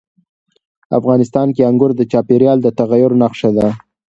افغانستان کې انګور د چاپېریال د تغیر نښه ده.